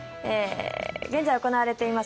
現在、行われています